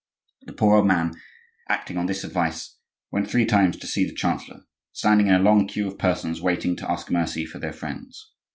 The poor old man, acting on this advice, went three times to see the chancellor, standing in a long queue of persons waiting to ask mercy for their friends.